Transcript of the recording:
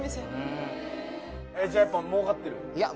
じゃあやっぱ儲かってる？